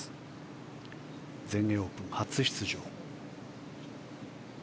全英オープン初出場。